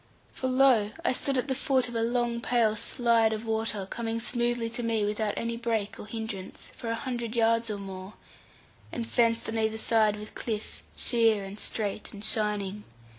For, lo! I stood at the foot of a long pale slide of water, coming smoothly to me, without any break or hindrance, for a hundred yards or more, and fenced on either side with cliff, sheer, and straight, and shining.